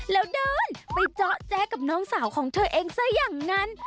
แล้วเดินไปเจาะแจ๊กับน้องสาวของเธอเองซะอย่างนั้น